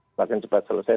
semakin cepat selesai